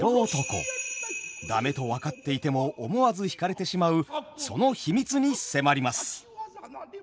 ダメと分かっていても思わず惹かれてしまうその秘密に迫ります。